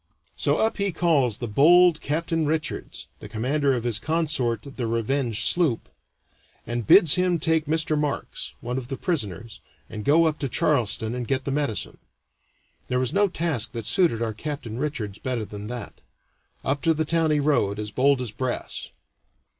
So up he calls the bold Captain Richards, the commander of his consort the Revenge sloop, and bids him take Mr. Marks (one of his prisoners), and go up to Charleston and get the medicine. There was no task that suited our Captain Richards better than that. Up to the town he rowed, as bold as brass.